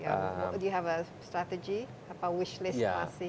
apakah anda memiliki strategi atau wish list